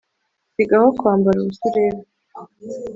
sigaho kwambara ubusa ureba